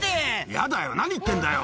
「ヤダよ何言ってんだよ